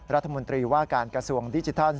รัฐมนตรีว่าการกระทรวงดิจิทัล